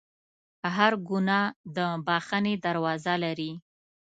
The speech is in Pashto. هر ګناه د بخښنې دروازه لري.